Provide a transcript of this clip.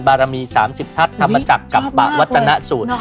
บารมี๓๐ทัศน์ทำมาจากกัปปะวัตนสูตร